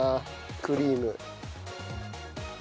クリーム。